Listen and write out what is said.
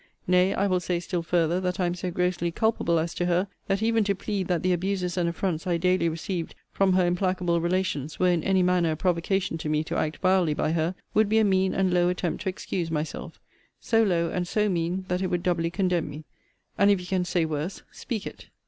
Nay, I will say still farther, that I am so grossly culpable as to her, that even to plead that the abuses and affronts I daily received from her implacable relations were in any manner a provocation to me to act vilely by her, would be a mean and low attempt to excuse myself so low and so mean, that it would doubly condemn me. And if you can say worse, speak it.